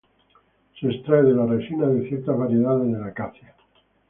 Se extrae de la resina de ciertas variedades de la Acacia.